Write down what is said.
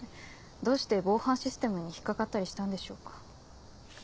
どうして防犯システムに引っ掛かったりしたんでしょうか。